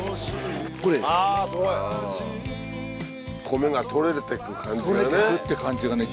米が取れてく感じがね。